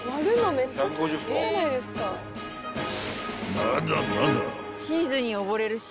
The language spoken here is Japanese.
［まだまだ］